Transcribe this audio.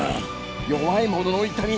弱い者の痛み